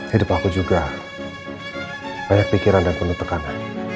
hidup aku juga banyak pikiran dan penuh tekanan